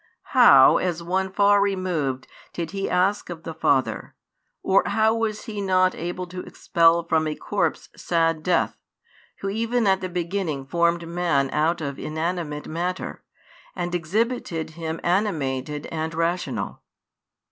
How as one far removed did He ask of the Father, or how was He not able to expel from a corpse sad death, Who even at the beginning formed man out of inanimate matter, and exhibited him animated and rational?